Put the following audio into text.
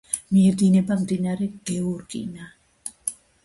მიედინება მდინარე გეორგინა.